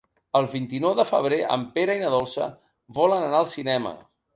El vint-i-nou de febrer en Pere i na Dolça volen anar al cinema.